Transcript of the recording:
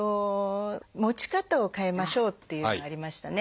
持ち方を変えましょうっていうのありましたね。